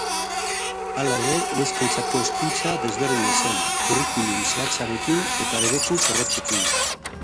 Hala ere, neskentzako hezkuntza desberdina zen, curriculum zehatzarekin eta debeku zorrotzekin.